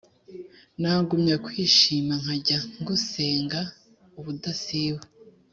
Nagumya kwishima nkajya ngusenga ubudasiba